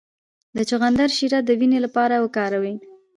د چغندر شیره د وینې لپاره وکاروئ